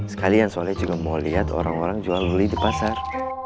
sekalian soalnya juga mau lihat orang orang jual beli di pasar